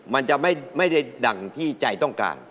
มันจะไม่ได้ดั่งที่ใจต้องการ